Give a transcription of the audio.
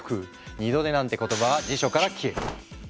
二度寝なんて言葉は辞書から消える。